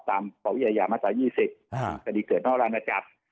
ปวิทยามาตรา๒๐คดีเกิดนอกราชนาจักร